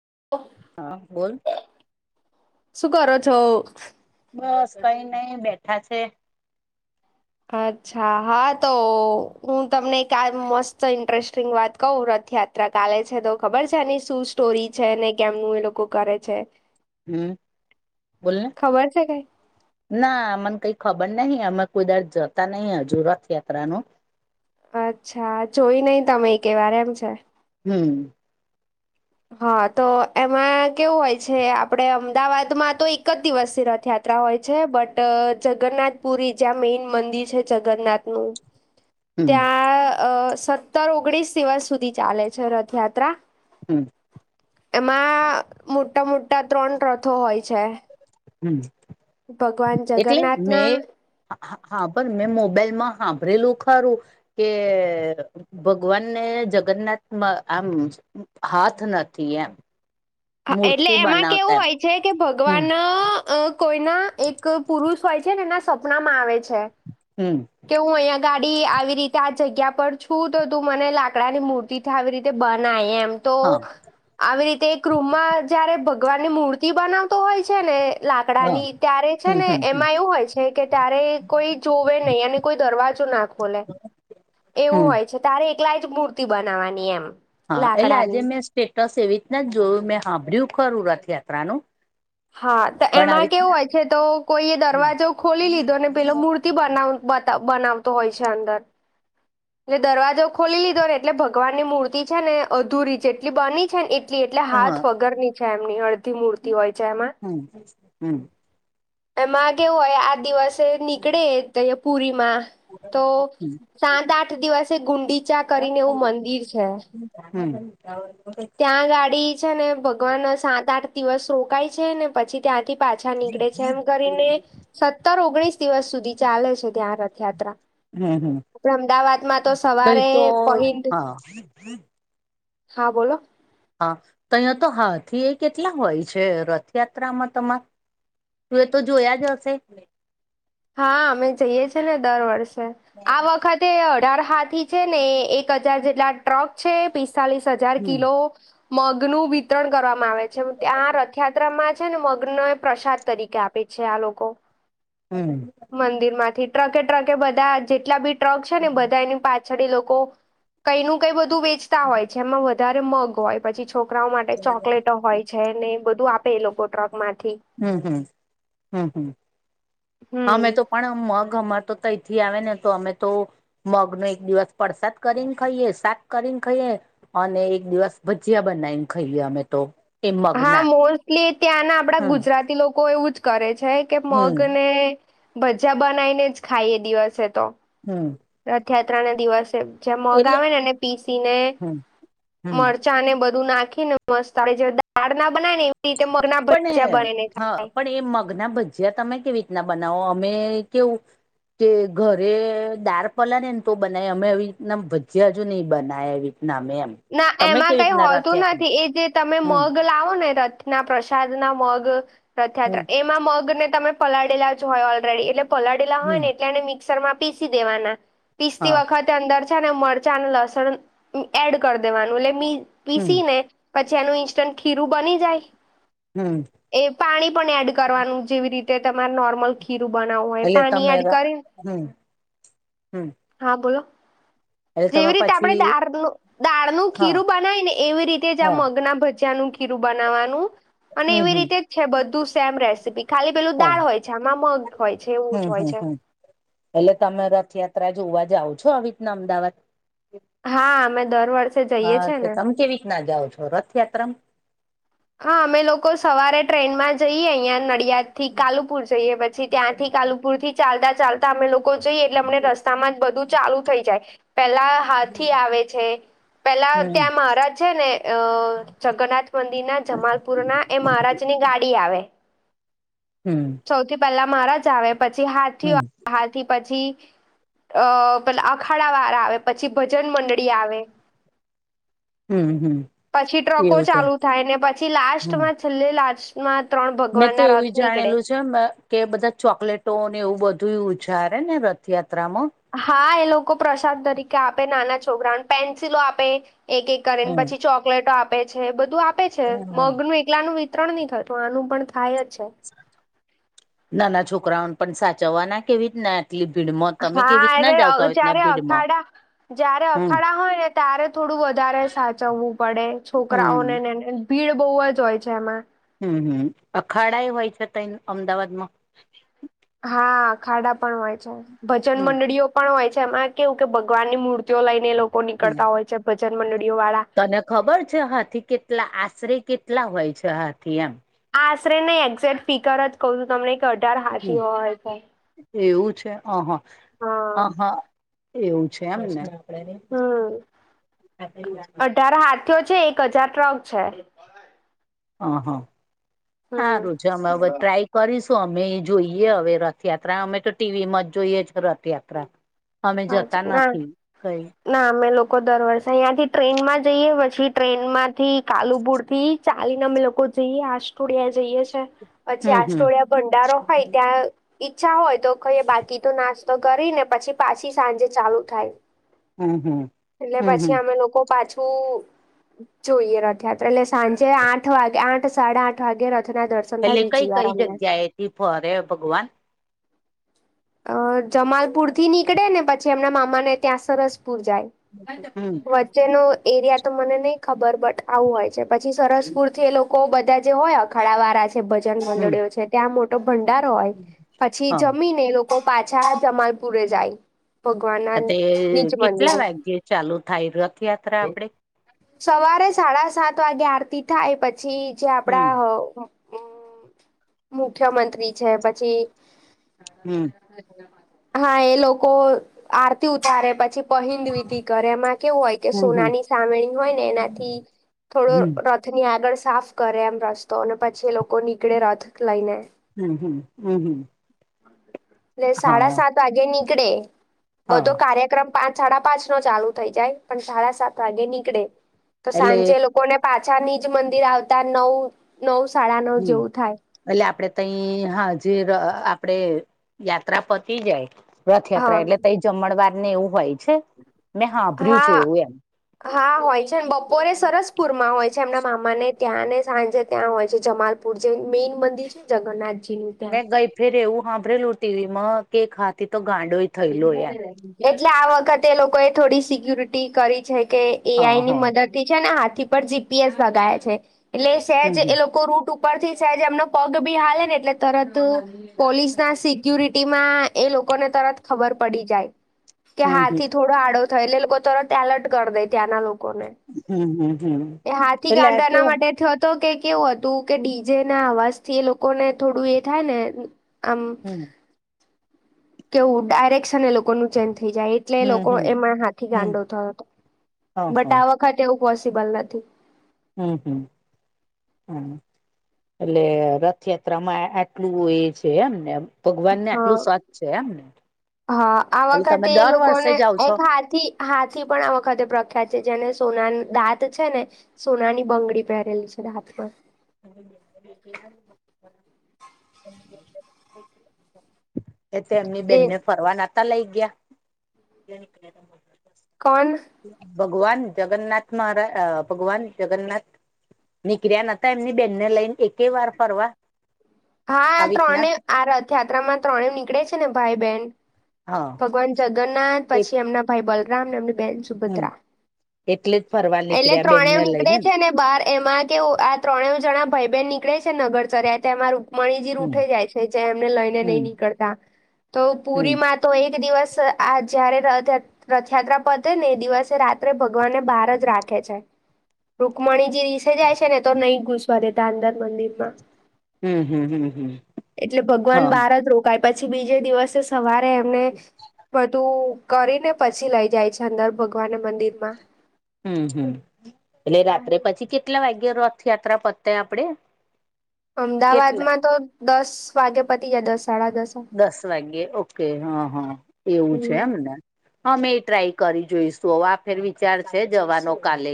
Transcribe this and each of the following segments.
[inaudible] અ બોલ? શું કરો છો? બસ, કઈ નઈ, બેઠા છે. અચ્છા હા તો હું તમને કા મસ્ત ઇન્ટરેસ્ટિંગ વાત કઉ રથયાત યાત્રા કાલે છે, તો ખબર છે એની શું સ્ટોરી છે? ને કેમનું એ લોકો કરે છે? હમ, બોલને ખબર છે કઈ? ના મને કઈ ખબર નહિ અમે કોઈ દાડે જતા નહી અજુ રથયાત્રાનું અચ્છા જોઈ નઈ તમે એકે વાર એમ છે. હમ, હા, તો એમાં કેવું હોય છે આપડે અમદાવાદમાં તો એક જ દિવસે રથયાત યાત્રા હોય છે બટ જગન્નાથપુરી જ્યાં મેન મંદિર છે જગન્નાથનું હમ ત્યાં અ સત્તર ઓગણીસ દિવસ સુધી ચાલે છે રથયાત્રા હમ, એમાં મોટ્ટા મોટ્ટા ત્રણ રથો હોય છે. હમ, ભગવાન જગન્નાથના હા, હા, પણ મેં મોબાઈલમાં હાભરેલું ખરું કે ભગવાનને જગન્નાથમાં આમ હાથ નથી એમ હ એટલે મૂર્તિ એમાં કેવું બનાવતા એમ હોય છે કે હમ ભગવાન અ કોઈના એક પુરુષ હોય છે ને એના સપના માં આવે છે હમ કે હું અહીંયા ગાડી આવી રીતે આ જગ્યા પર છું તો તું મને લાકડા ની મૂર તીથી આવી રીતે બનાય એમ તો હા આવી રીતે એક રૂમમાં જયારે ભગવાનની મૂર્તિ બનાવતો હોય છે ને હા લાકડાની ત્યારે છે હમ ને હમ હમ એમાં એવું હોય છે કે ત્યારે કોઈ જોવે એને કોઈ દરવાજો ના ખોલે એવું હમ હોય જે તારે એકલાયે જ મૂર્તિ બનાવાની એમ હા એટલે આજે લાકડાની મેં સ્ટેટસ એવી રીતના જોયું મેં સાાભર્યું ખરું રથયાત્રાનું હા તો પણ એમાં આવી કેવું હોય છે તો કોઈ એ દરવાજો ખોલી લીધો ને પેલો મૂર્તિ બનાવ બતા બનાવતો હોય છે અંદર એટલે દરવાજો ખોલી લીધો ને એટલે ભગવાનની મૂર્તિ છે ને અધૂરી જેટલી બની છે ને એ ટલી એટલે હાથ હા વગર ની છે એમની અડધી મૂર્તિ હોય છે એમાં હમ હમ એમાં કેવું હોય આ દિવસે નીકળે પુરીમાં તો હમ સાત આઠ દિવસે ગુંડીચા કરીને એવું મંદિર છે હમ ત્યાં ગાડી છે ને ભગવાન સાત આઠ દિવસ રોકાય છે ને પછી ત્યાંથી પાછા નીકળે છે એમ કરીને સત્તર ઓગણીસ દિવસ સુધી ચાલે છે ત્યાં રથયાત્રા હમ આપડે અમદાવાદમાં તો કઈ સવારે તો પહિંદ હા હા બોલો હા તો અહીંયા તો હાથી એ કેટલા હોય છે રથયાત્રામાં તમા તું એ તો જોયા જ હશે હા અમે જઈએ છે ને દર વર્ષે આ વખતે અઢાર હાથી છે ને એક હજાર જેટલા ટ્રક છે પિસ્તાલીસ હજાર હમ કિલો મગનું વિતરણ કરવામાં આવે છે ત્યાં રથયાત્રામાં છે ને મગ્નને પ્રસાદ તરીકે આપે છે છે આ લોકો હમ મંદિર માંથી ટ્રકે ટ્રકે બધા જેટલા બી ટ્રક છે ને બધા એની પા પાછળ લોકો કઈ નું કઈ બધું વેચતા હોય જેમાં વધારે મગ હોય પછી છોકરાઓ માટે ચોકલેટો હોય છે ને બધું આપે એ લોકો ટ્રક માંથી હમ હમ હમ હમ હમ અમે તો પણ મગ અમારે તો કઈથી આવે ને તો અમે તો મગ નો એક દિવસ પસાદ કરી ને ખાઈએ શાક કરી ને ખાઈએ અને એક દિવસ ભજીયા બનાવીને ખાઈએ અમે તો એ હા મગના મોસ્ટલી ત્યાંના આપડા હમ ગુજરાતી લોકો એવું જ કરે છે કે હમ મગ ને ભજા બનાવી ને જ ખાઈ એ દિવસે તો હમ રથયાત્રા ના દિવસે જે મગ એટલે આવે ને એ પીસી ને હમ હમ મળ ચા ને બધું નાખી ને મસ્તે જે દાળ ના બના ને ત મોરના પણ હા પણ એ મગના ભજીયા તમે કેવી રીતના બનાવો અમે કેવું કે ઘરે દાર્ક પલા નેને તો બનાય અમે એવી રીતના ભજ્યા હજુ નઈ બનાય એવી નમેમ ના એમાં કઈ હોતું નથી એ જે તમે હમ મગ લાવો ને રથના પ્રસાદ ના મગ હમ રથયાત્રા એમાં મગ ને તમે પલાળેલા જ હોય ઓલરેડી એટલે પલાળેલા હોય ને હમ એટલે એને મિક્સર માં પીસી દેવાના. પીસતી હા વખતે અંદર છે ને મરચાં અને લસણ એડ કરી દેવાનું એટલે મી હમ પીસી ને પછી એનું ઇન્સ્ટન્ટ ખીરું બની જાય. હમ્મ. એ પાણી પણ એડ કરવાનું જેવી રીતે તમારે નોર્મલ ખીરું બનાવવું હોય એટલે પાણી તમે એડ કરે હમ હમ હા બોલો. એટલે તમે જેવી રીતે આપણેે પછી તાર દાળનું હા ખીરું બનાય ને એવી રીતે જ આ હા મગના ભજીયાનું ખીરું બનાવાનું. અને હમ એવી હમ રીતે. છે બધું સેમ રેસીપી ખાલી પેલું હા દાળ હોય છે આમાં મગ હોય છે એવું હમ જ હોય હમ છે. હમ એટલે તમે રથયાત્રા જોવા જાઓ છો આવી રીતના અમદાવાદ. હા અમે દર વર્ષે જઈએ છે હાછ ને તમે કેવી રીતના જાઓ છો રથયાત્રામાં. હા અમે લોકો સવારે ટ્રેનમાં જઈએ અહં નડિયાદથી કાલુપુર જઈએ પછી ત્યાંથી કાલુપુર થી ચાલતા ચાલતા અમે લોકો લોકો જઈએ એટલે અમને રસ્તામાં જ બધું ચાલુ થઈ જાય પેલા હાથી આવે છે. પેલા હમ ત્યાં મહારાજ છે ને. અ જગન્નાથ મંદિર ના જમાલપુર ના એ મહારાજની ગાડી આવે. હમ્મ. સૌથી પહેલા મારા જ આવે પછી હાથી હમ આવે હાથી પછી અ પેલા અખાડા વાળ આવે પછી ભજન મંડળી આવે. હમ્મ હમ્મ. પછી ટ્રકો ચાલુ થાય ને પછી લાસ્ટ હમ માં છેલ્લે લાસ્ટ માં ત્રણ મેં ભગવાન તો ના રથ એવું નીકળે. જાણેલું કે બધા ચોકલેટો ને એવું બધું ઉછારે ને રથયાત્રામાં. હા એ લોકો પ્રસાદ તરીકે આપે નાના છોકરાને પેન્સિલો આપે એક એક કરીને હમ પછી ચોકલેટો આપે છે બધું આપે છે હમ મગ નું એક એકલાનું વિતરણ નહી થતું આનું પણ થાય જ છે. નાના છોકરાઓને પણ સાચવવા ના કેવી રીત ના એટલી ભીડમ હા અરેચારે અખાડા જયારે હમ અખાડા હોય ને ત્યારે થોડું વધારે સાચવવું પડે હમ છોકરાઓને ને. ભીડ બહુ જ હોય છે એમાં. હમ્મ હમ્મ અખાડા એ હોય છે ત અમદાવાદમાં. હા ખાડા પણ હોય છે ભજન હમ મંડળીઓ. પણ હોય છે એમાં કેવું કે ભગવાન ની મૂર્તિઓ લઈને લોકો નીકળતા હોય છે ભજન મંડળીઓ વાળા. અને ખબર છે હાથી કેટલા આશરે કેટલા હોય છે હાથી એમ. આશરે નને એક્ઝેક્ટ ફિકર જ કઉ છું તમને. કે અઢાર હમ્મ હાથીઓ હોય છે. એવું છે હ હા આ હા. એવું છે એમને. ત્યારે હાથીયો છે એક હજાર ટ્રક છે. હ હ સારું હમ છે અમે હવે ટ્રાય કરીશું અમે એ જોઈએ હવે રથયાત્રા અમે તો ટીવીમાં જોઈએ જ રથયાત્રા. અમે હા જતા હ. નથી કઈ ના અમે લોકો દર વર્ષે તયાં થી ટ્રેનમાં જઈએ પછી ટ્રેન માંથી કાલુપુર થી ચાલીને અમે લોકો જઈએ આસ્ટોડિયા જઈએ છે. પછી હમ આ હમ સ્ટોળિયા ભંડારો હોય ત્યાં ઈચ્છા હોય તો કઈ બાકી તો નાસ્ તો કરી ને પછી પાછી સાંજે ચાલુ થાય. હમ હમ એટલે હમ હમ પછી અમે લોકો પાછું. જોઈએ રથયાત્રા એટલે સાંજે આઠ વાગે આઠ સાડા આઠ વાગે રથના દર્શ પેલે કઈ કઈ જગ્યાએ હતી ફરે ભગવાન. અ જમાલપુર થી નીકળે ને પછી એમના મામાને ત્યાં સરસપુર જાય. હમ [inaudible] જેનો એરિયા તો મને નહ ખબર બટ આવું હોય છે પછી સરસપુરથી એ લોકો બધા જે હોય. ખળવારા છે ભજન હમ મંડળીઓ છે ત્યાં મોટો ભંડારો હોય પછી જમીને એ લોકો પાછા જમાલપુરેે જાય. ભગવાન ના અ નીચ કેટલા મંદિરે વાગે ચાલુ થાય રથયાત્રા આપડે. સવારે સાડા સાત વાગે આરતી થાય પછી જે હમ આપડા. હમ્મ મુખ્ય મંત્રી છે પછી. હમ્મ. હા એ લોકો આરતી ઉતારે પછી પહંદ વિધી ઘરેમાં કેવું હોય કે હમ હમ સોનાની સામેણી હોય ને એનાથી થોડો હમ રથ ની આગળ સાફ કરે એમ રસ્તો અને પછી એ લોકો નીકળે રથ લઈને. હમ્મ હમ્મ હમ્મ હમ્મ. એટ સાડા સાત વાગે નીકળે હા બધો કાર્યક્રમ પાંચ સાડા પાંચ નો ચાલુ થઈ જાય પણ સાડા સાત વાગે નીકળે તો એટલે સાંજે લોકો. કોને પાછાની જ મંદિર આવતા નવ નવ સાડા નવ હમ જેવું થાય. એટલે આપડે તઈ હા જે આપડે યાત્રા પતી જાય. રથયાત્રા હા એટલે ત જમણવાર ને એવું હોય છે મેં સાાભર્યું છે હા એવું એમ. હા હોય છેને બપોરે સરસપુરમાં હોય છે એમના મામાને ત્યાં ને સાંજે ત્યાં હોય છે જમાલપુર. પુર જે મેઈન મંદિર છે જગન્નાથજી નું ત્યાં. મેં ગઈ ફેર એવું સાંભરેલું ટીવી માં કે ખાતી તો ગાંડોય થયેલો એમ એટલે આ વખતે એ લોકો એ થોડી સિક્યુરિટી કરી છે કે હ એઆઈ હ ની મદદ થી છે ને હાથી પર જીપીએસ લગા છે એટલે હમ સજ હમ એ લોકો રૂટ ઉપ રથી છેજ એમનો પગ ભી હાલે ને એટલે તરત પોલીસ ના સિક્યુરિટીમાં એ લોકોને તરત ખબર પડી જાય કે હમ હમ હાથી થોડું ો આડો થયો એટલે લોકો તરત એલર્ટ કરી દે ત્યાંના લોકો ને. હમ હમ હમ એ હાથી એટલે આ ગાંડાવાના કેવું માટે થત તો કે કેવું હતું કે ડીજે ના અવાજ થી એ લોકો ને થોડું એ થાય ને. આમ. હમ કેવું ડાયરેક્શન એ લોક કોનું ચેન થઈ જાય એટલે હમ લોકો હમ એમાં હાથી હમ ગાંડો થયો હતો હ હ બટ આ વ ખતે એવું પોસિબલ નથી. હમ્મ હમ્મ. હમ એટલે રથયાત્રામાં આટલું એ છે એમ ને. ભગવાન ને હા આટલું સત છે એમને. હા આ એટલે તમે વખતે એ દર વર્ષે લોકોને જાઓ એક છો હાથી હાથી પણ આ વખતે પ્રખ્યાત છે જેને સોના દાંત છે ને સોનાની બંગડી પહેરેલી છે હાથ પર. [inaudible] એ તો એમની એ બેનને ફરવા નાતા લઈ ગયા? કોણ? ભગવાન જગન્નાથ મહારા ભગવાન જગન્નાથ નીકર્યા નતા એમની બેનને લઈને એકે વાર ફરવા. હા આ આવી રીતના ત્રણે આ રથયાત્રામાં ત્રણે નીકળે છે ને ભાઈ બેહેન. હા ભગવાન જગન્નાથ એ પછી એમના ભાઈ બલરામ એમની બેહેન હમ સુભદ્રા એટલે જ ફરવા એટલે નીકળ્યા ત્રણેવ બેનને નીકળે લઈને છે ને બાર એમાં કે આ ત્રણે જણા ભાઈ બેહેન નીકળે છે નગર ચર્યા એમાં રૂ કમણિજી હમ રુઠે જાય છે જે એમને લઈને હમ નહી નીકળતા તો હમ પુરીમાં તો એક દિવસ આ જયારે રથયા રથયાત્રા પતે ને એ દિવસે રાત્રે ભગવાનને બહાર જ રાખે છે. રુકમણીજી રસે જાય છે ને તો નહી ઘુસવા દેતા અંદર મંદિર માં. હમ હમ હમ હમ એટલે ભગવાન હા બારાજ રોકાય પછી બીજે દિવસે સવારે એમને બધું કરીને પછી લઈ જાય છે અંદર ભગવાન મંદિર માં હમ હમ એટલે રાત્રે પછી કેટલા વાગે રથયાત્રા પતે આપણેે? અમદાવાદમાં તો દસ વાગે પતી જાય દસ સાડા દસ. દસ વાગ્યે ઓકે હા હા એવું છે હમ એમને. હમે એ ટ્રાય કરી જોઈશું હવે આ ફેર વિચાર છે જવાનો કાલે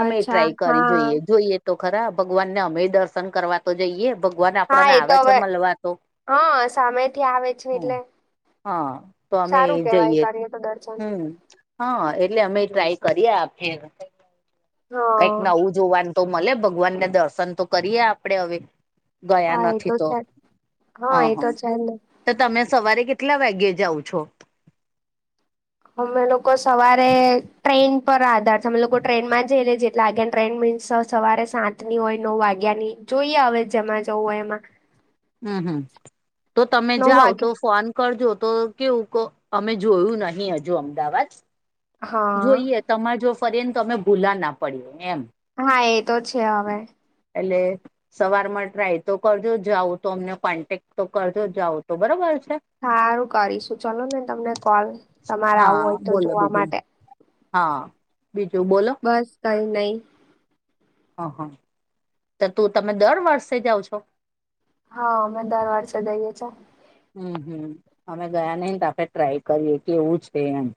અમે અચ્છા ટ્રાય કરી હા જોઈએ જોઈએ તો ખરા ભગવાનને અમે દર્શન કરવા તો જઈએ ભગવાન હા આપણાને એ આવે તો છે હવે મળવા હા સામેથી આવે છે હમ એટલે હા તો અમે સારું એ કેવાય જઈએ કરીએ તો દર્શન હમ હા એટલે અમે ટ્રાય કરીએ આપે કંઈક હા નવું જોવાનું તો મળે ભગવાનને દર્શન તો કરીએ આપડે હવે ગયા હા એ નથી તો છે હ એ તો હા છે ને તો તમે સવારે કેટલા વાગ્યે જાઓ છો? અમે લોકો સવારે ટ્રેન પર આધાર છે અમે લોકો ટ્રેનમાં જઈને જ લાગે ને ટ્રેન મીન્સ સવારે સાત ની હોય નવ વાગ્યા ની જોઈએ હવે જેમા જવું હોય એમાં. હમ હમ તો તમે નવ જાઓ વાગે તો ફોન કરજો તો કેવું અમે જોયું નહી હજુ અમદાવાદ હા જોઈએ તમારે જો ફરી ને તમે ભૂલા ના પડીએ એમ હા એ તો છે હવે એટલે સવારમાં ટ્રાય તો કરજો જાવું તો અમને કોન્ટેક્ટ તો કરજો જાવઓ તો બરોબર છે. સારું કરીશું ચલો ને તમને કોલ તમારે આવું હા હોય તો બોલો જોવા બીજું માટે. હા બીજું બોલો. બસ કઈ નઈ. હ હા તો તું તમે દર વર્ષે જાઓ છો હા અમેં દર વર્ષે જઈએ છે હમ હમ અમે ગયા નહિ તો આપડે ટ્રાય કરીએ કે એવું છે એમ